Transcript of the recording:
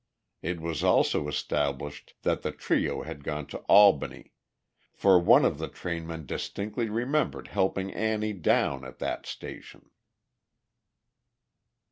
It was also established that the trio had gone to Albany, for one of the trainmen distinctly remembered helping Annie down at that station.